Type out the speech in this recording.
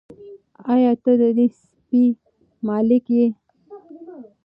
آیا ته د دې سپي مالیک یې؟